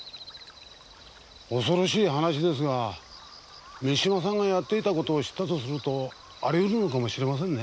恐ろしい話ですが三島さんがやっていたことを知ったとするとありうるのかもしれませんね。